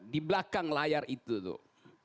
di belakang layar itu tuh